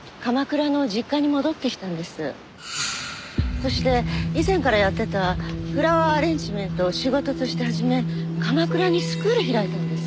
そして以前からやってたフラワーアレンジメントを仕事として始め鎌倉にスクール開いたんです。